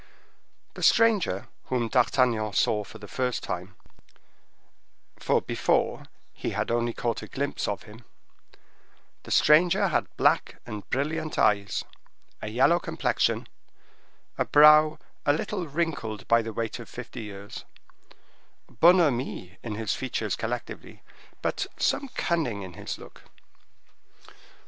The stranger, whom D'Artagnan saw for the first time,—for before he had only caught a glimpse of him,—the stranger had black and brilliant eyes, a yellow complexion, a brow a little wrinkled by the weight of fifty years, bonhomie in his features collectively, but some cunning in his look.